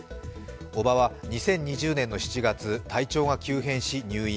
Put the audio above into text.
叔母は２０２０年７月、体調が急変し、入院。